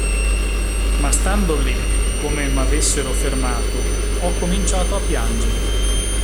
Ma stando lì, come se m'avessero fermato, ho cominciato a piangere.